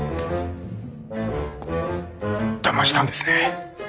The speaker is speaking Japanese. だましたんですね。